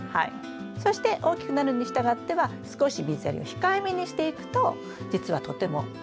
そして大きくなるにしたがっては少し水やりを控えめにしていくと実はとてもいい苗が出来上がる。